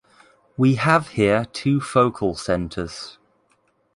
We have here two focal centers.